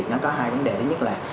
nó có hai vấn đề thứ nhất là